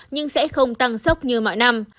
nhưng sẽ không tăng sốc như mọi năm